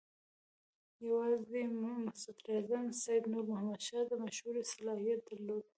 یوازې صدراعظم سید نور محمد شاه د مشورې صلاحیت درلود.